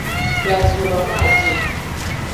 Fla ezo lo no a je.